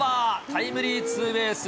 タイムリーツーベース。